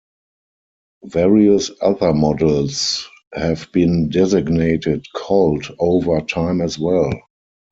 Various other models have been designated "Colt" over time as well.